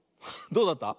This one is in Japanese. どうだった？